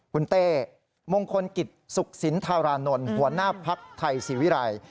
คุณเต้มงคลกิจศุกษินทรานนท์หัวหน้าพรรคไทยศิวิราย